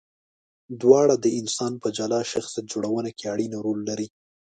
دواړه د انسان په جلا شخصیت جوړونه کې اړین رول لري.